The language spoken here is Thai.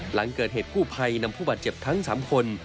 หลังเกิดเหตุกู้ภัยนำผู้บาดเจ็บทั้ง๓คน